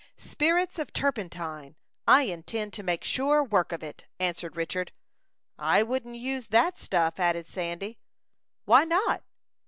"Spirits of turpentine. I intend to make sure work of it," answered Richard. "I wouldn't use that stuff," added Sandy. "Why not?"